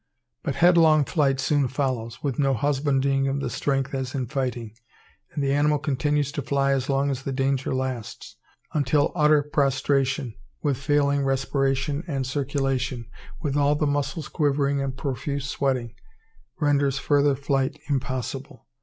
But headlong flight soon follows, with no husbanding of the strength as in fighting, and the animal continues to fly as long as the danger lasts, until utter prostration, with failing respiration and circulation, with all the muscles quivering and profuse sweating, renders further flight impossible.